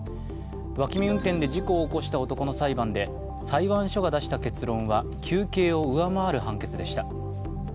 脇見運転で事故を起こした男の裁判で、裁判所の出した結論は求刑を上回る判決でした。